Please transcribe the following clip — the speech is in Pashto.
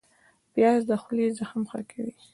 پیاز د خولې زخم ښه کوي